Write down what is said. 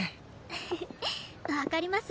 フフフわかります。